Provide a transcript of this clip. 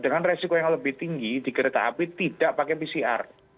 dengan resiko yang lebih tinggi di kereta api tidak pakai pcr